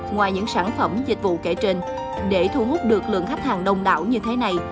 ngoài những sản phẩm dịch vụ kể trên để thu hút được lượng khách hàng đông đảo như thế này